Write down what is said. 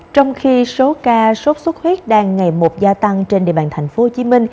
trong khi số ca sốt xuất huyết đang ngày một gia tăng trên địa bàn tp hcm